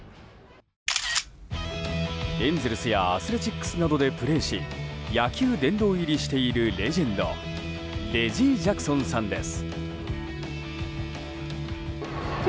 エンゼルスやアスレチックスなどでプレーし野球殿堂入りしているレジェンドレジー・ジャクソンさんです。